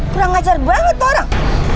kurang ngajar banget orang